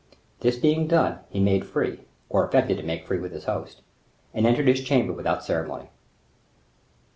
This being done, he made free, or affected to make free with his host, and entered his chamber without ceremony.